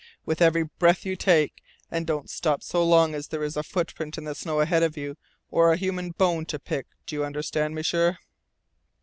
with every breath you take, and don't stop so long as there is a footprint in the snow ahead of you or a human bone to pick! Do you understand, M'sieur?"